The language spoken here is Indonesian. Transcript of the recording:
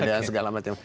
dan segala macam